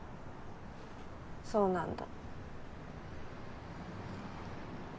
そうなんだ。